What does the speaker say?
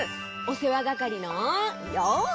おせわがかりのようせい！